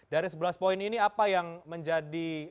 dari sebelas poin ini apa yang menjadi